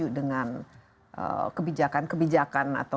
yang sebenarnya banyak juga anggota dari partai republik yang tidak suka dan tidak setuju